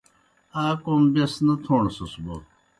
آ کوْم بیْس نہ تھوݨسَس بوْ